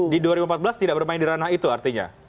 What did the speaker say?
di dua ribu empat belas tidak bermain di ranah itu artinya